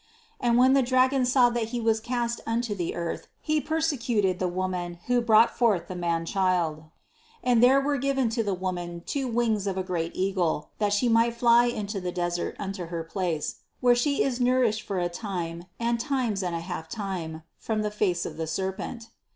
13. And when the dragon saw that he was cast un to the earth he persecuted the woman, who brought forth the man child : 14. And there were given to the woman two wings of a great eagle, that she might fly into the desert unto her place, where she is nourished for a time and times and half a time, from the face of the serpent.